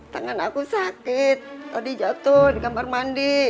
tangan aku sakit tadi jatuh di kamar mandi